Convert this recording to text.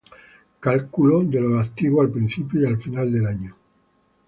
Cálculo de los activos al principio y final del año: